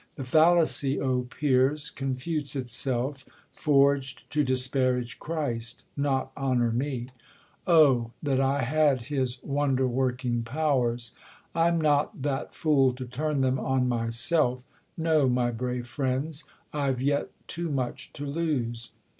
The fallacy, O peers, confutes itself, Forg'd to disparage Christ, not honor me. Oh ! that I had his v/onder working powers •, I'm not that fool to turn them on myself: No, my brave friends, I've yet too much to lose.